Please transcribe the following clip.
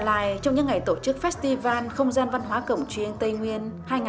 những dà lai trong những ngày tổ chức festival không gian văn hóa cổng truyền tây nguyên hai nghìn một mươi tám